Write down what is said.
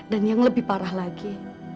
dan yang lebih parah lagi